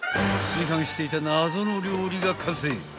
［炊飯していた謎の料理が完成］